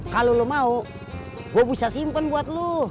kalau lo mau lo bisa simpen buat lo